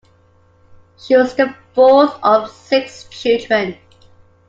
She was the fourth of six children.